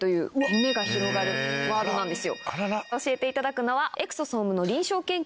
教えていただくのはエクソソームの。